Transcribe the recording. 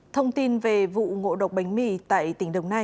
thông tin về vụ ngộ độc bánh mì tại tỉnh đồng nai